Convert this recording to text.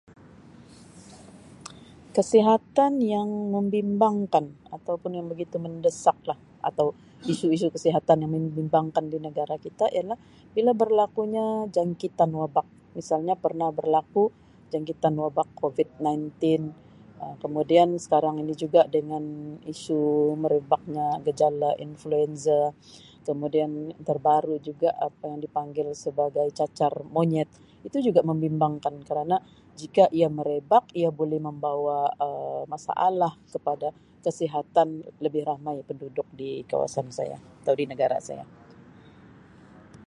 Kesihatan yang membimbangkan ataupun yang begitu mendesaklah isu-isu kesihatan yang membimbangkan di negara kita ialah bila berlakunya jangkitan wabak misalnya pernah berlaku jangkitan wabak Covid nine teen kemudian sekarang ini juga dengan isu merebaknya gejala influenza kemudian terbaru juga apa yang dipanggil sebagai cacar monyet itu juga membimbangkan kerana jika ia merebak ia boleh membawa Um masalah kepada kesihatan lebih ramai penduduk di kawasan saya atau di negara saya .